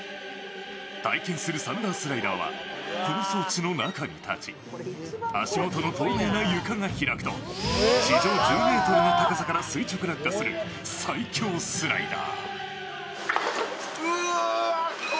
体験するサンダースライダーは、この装置の中に立ち足元の透明な床が開くと地上１０ｍの高さから垂直落下する最恐スライダー。